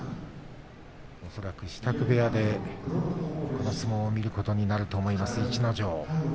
支度部屋でこの相撲を見ることになると思います、逸ノ城です。